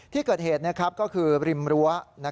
ที่เกิดเหตุก็คือริมรั้ว